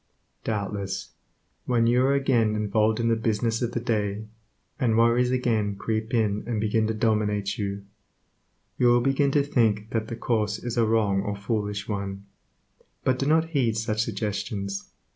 Doubtless when you are again involved in the business of the day, and worries again creep in and begin to dominate you, you will begin to think that the course is a wrong or foolish one, but do not heed such suggestions.